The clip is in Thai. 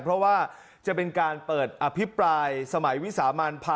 เพราะว่าจะเป็นการเปิดอภิปรายสมัยวิสามัน